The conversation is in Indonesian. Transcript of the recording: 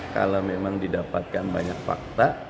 kalau memang didapatkan banyak fakta